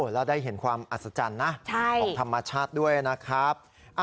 แล้วได้เห็นความอัศจรรย์นะของธรรมชาติด้วยนะครับ